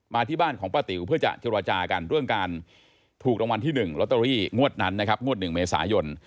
ที่บ้านของป้าติ๋วเพื่อจะเจรจากันเรื่องการถูกรางวัลที่๑ลอตเตอรี่งวดนั้นนะครับงวด๑เมษายน